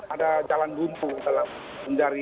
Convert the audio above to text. ada jalan buntu dalam mencari